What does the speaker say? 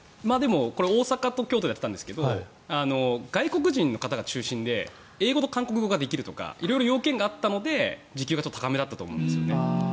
これ大阪と京都でやってたんですが外国人の方が中心で英語と韓国語ができるとか色々要件があったので時給が高めだったと思うんです。